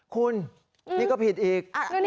คุณนี่ก็ผิดอีก